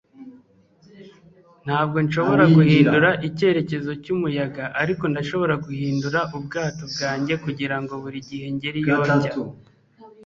Ntabwo nshobora guhindura icyerekezo cyumuyaga ariko ndashobora guhindura ubwato bwanjye kugirango buri gihe ngere iyo njya